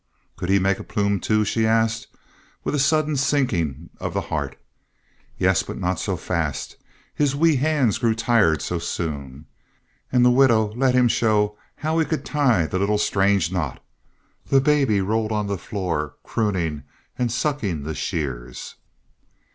"Could he make a plume, too?" she asked, with a sudden sinking of the heart. Yes, but not so fast; his wee hands grew tired so soon. And the widow let him show how he could tie the little strange knot. The baby rolled on the floor, crooning and sucking the shears.